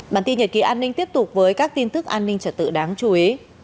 bản tin nhật ký an ninh tiếp tục với các tin tức an ninh trật tự đáng chú ý